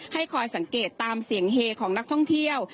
ให้คอยสังเกตตามเสียงเฮของนักท่องเที่ยว